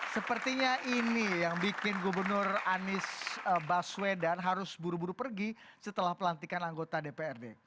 sepertinya ini yang bikin gubernur anies baswedan harus buru buru pergi setelah pelantikan anggota dprd